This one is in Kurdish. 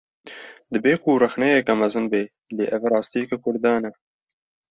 Dibe ku rexneyeke mezin be, lê ev rastiyeke Kurdan e